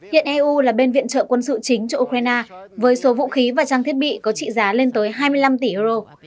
hiện eu là bên viện trợ quân sự chính cho ukraine với số vũ khí và trang thiết bị có trị giá lên tới hai mươi năm tỷ euro